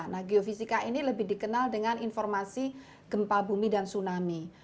nah geofisika ini lebih dikenal dengan informasi gempa bumi dan tsunami